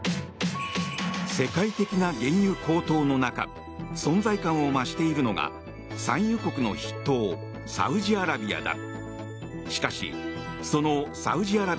世界的な原油高騰の中存在感を増しているのが産油国の筆頭サウジアラビアだ。